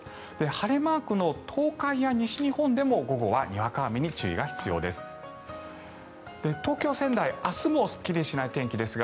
晴れマークの東海や西日本でも午後はにわか雨に注意が必要です。